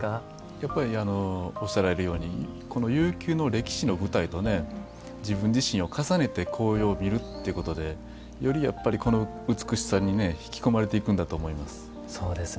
やっぱりおっしゃられるようにこの悠久の歴史の舞台と自分自身を重ねて紅葉を見るっていうことでより美しさに引き込まれていくんだと思います。